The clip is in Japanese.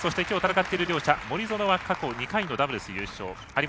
きょう戦っている両者、森薗は過去２回のダブルス優勝。